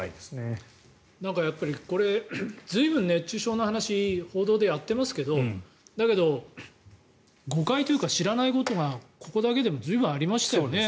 これ、随分、熱中症の話報道でやっていますけどだけど誤解というか知らないことがここだけでも随分ありましたよね。